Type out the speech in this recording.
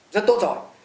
rất tốt rồi